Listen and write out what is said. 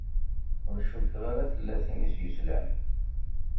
Ur cukkeɣ ara tella tin i s-yeslan.